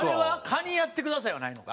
「カニやってください」はないの？